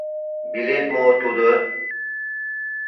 Билет мо тудо?!